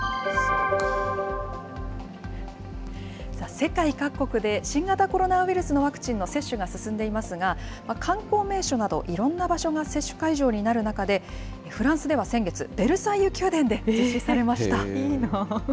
世界各国で新型コロナウイルスのワクチンの接種が進んでいますが、観光名所など、いろんな場所が接種会場になる中で、フランスでは先月、ベルサイユ宮殿で実施されました。